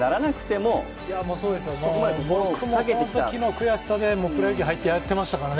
僕もそのときの悔しさでプロ野球に入ってやってましたから。